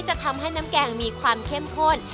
จะทำให้น้ำแกงมีความเข้มข้น